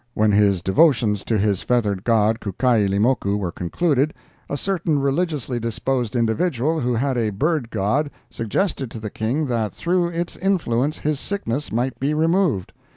When his devotions to his feathered god, Kukailimoku, were concluded, a certain religiously disposed individual, who had a bird god, suggested to the King that through its influence his sickness might be removed.